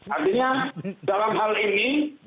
artinya dalam hal ini